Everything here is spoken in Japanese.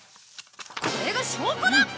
これが証拠だ！